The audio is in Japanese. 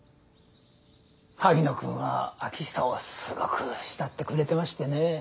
萩野君は秋寿をすごく慕ってくれてましてね。